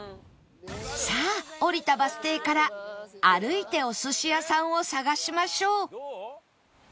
さあ降りたバス停から歩いてお寿司屋さんを探しましょう